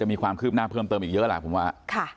มีความคืบหน้าเพิ่มเติมอีกเยอะแหละผมว่า